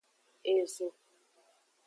Ezo.